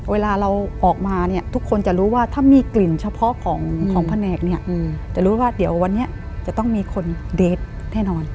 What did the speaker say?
เวลาเราออกมาเนี่ยทุกคนจะรู้ว่าถ้ามีกลิ่นเฉพาะของแผนกเนี่ยจะรู้ว่าเดี๋ยววันนี้จะต้องมีคนเดทแน่นอน